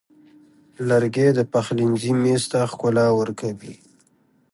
لرګی د پخلنځي میز ته ښکلا ورکوي.